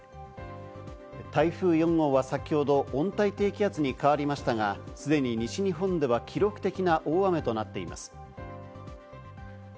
台風４号は先ほど温帯低気圧に変わりましたが、すでに西日本では記録的な大雨となっています。